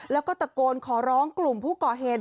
แล้วก็ตะโกนขอร้องกลุ่มผู้ก่อเหตุ